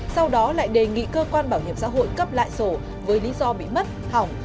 sau đó lại đề nghị cơ quan bảo hiểm xã hội cấp lại sổ với lý do bị mất hỏng